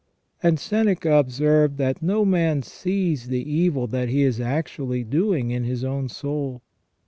And Seneca observed that no man sees the evil that he is actually doing in his own soul.